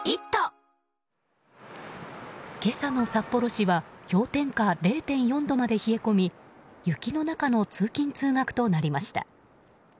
今朝の札幌市は氷点下０．４度まで冷え込み雪の中の通勤・通学となりました。